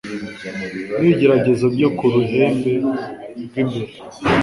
n’ibigeragezo byo ku ruhembe rw’imbere